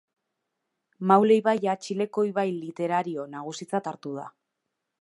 Maule ibaia Txileko ibai literario nagusitzat hartu da.